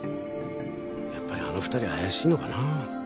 やっぱりあの２人怪しいのかな。